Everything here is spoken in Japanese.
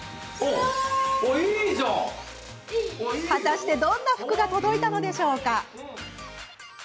果たしてどんな服が届いたのでしょうか？